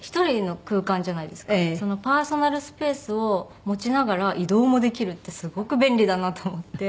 そのパーソナルスペースを持ちながら移動もできるってすごく便利だなと思って。